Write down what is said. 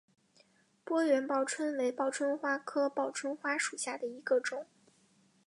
波缘报春为报春花科报春花属下的一个种。